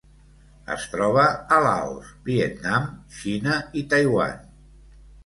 Es troba a Laos, Vietnam, Xina i Taiwan.